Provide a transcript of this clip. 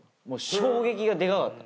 衝撃がデカかった。